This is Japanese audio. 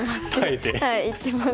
はい行ってます。